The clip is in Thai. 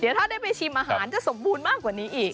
ถ้าได้ไปชิมอาหารจะสมบูรณ์มากกว่านี้อีก